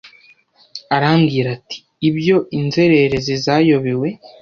Arambwira ati Ibyo inzererezi zayobewe